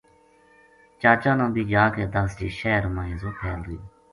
چاچا نا بھی جا کے دس جے شہر ما ہیضو پھیل رہیو